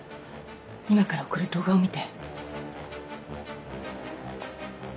今から送る動画を見て。